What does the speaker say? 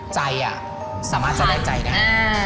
ใจสามารถจะได้ใจได้